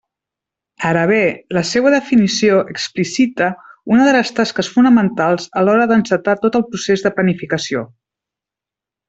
Ara bé, la seua definició explicita una de les tasques fonamentals a l'hora d'encetar tot procés de planificació.